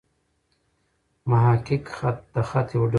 محقق خط؛ د خط یو ډول دﺉ.